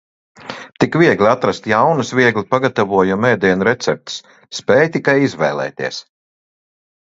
Tik viegli atrast jaunas, viegli pagtavojamu ēdienu receptes. Spēj tikai izvēlēties!